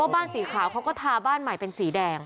บ้านสีขาวเขาก็ทาบ้านใหม่เป็นสีแดง